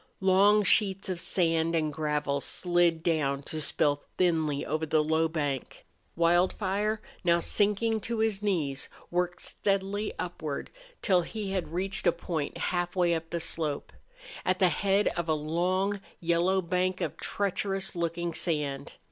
Long sheets of sand and gravel slid down to spill thinly over the low bank. Wildfire, now sinking to his knees, worked steadily upward till he had reached a point halfway up the slope, at the head of a long, yellow bank of treacherous looking sand.